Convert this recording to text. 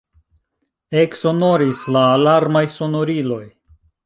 Eksonoris la alarmaj sonoriloj.